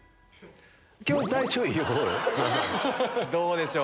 どうでしょう？